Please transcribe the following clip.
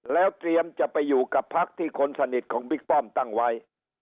แล้วเตรียมจะไปอยู่กับพักที่คนสนิทของบิ๊กป้อมตั้งไว้